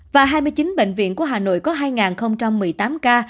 và hai mươi chín bệnh viện của hà nội có hai một mươi tám ca